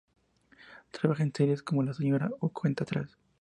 Trabaja en series como"La Señora" o "Cuenta atrás".